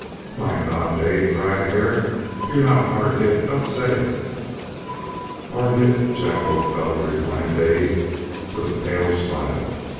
"My God! Dave!" cried Hare. "You're not hard hit? Don't say it!" "Hard hit Jack old fellow," replied Dave, with a pale smile.